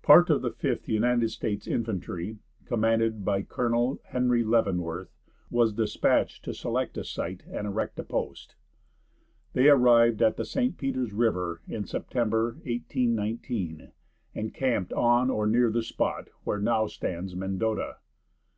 Part of the Fifth United States Infantry, commanded by Colonel Henry Leavenworth, was dispatched to select a site and erect a post. They arrived at the St. Peter's river in September, 1819, and camped on or near the spot where now stands Mendota.